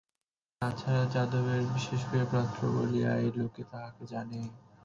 তা ছাড়া, যাদবের বিশেষ প্রিয়পাত্র বলিয়াই লোকে তাহাকে জানে।